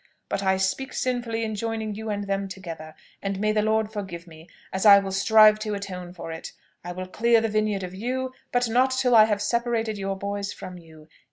But I speak sinfully in joining you and them together! and may the Lord forgive me, as I will strive to atone for it. I will clear the vineyard of you but not till I have separated your boys from you.